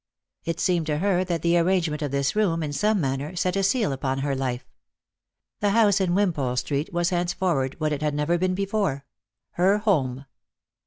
It seemed to her that the arrange ment of this room, in some manner, set a seal upon her life. The house in Wimpole street was henceforward what it had never been before — her home.